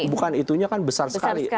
bukan itunya kan besar sekali